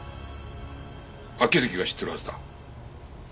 秋月が知ってるはずだ。